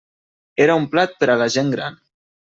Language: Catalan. Era un plat per a la gent gran.